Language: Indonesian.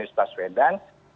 dan juga anis taswedan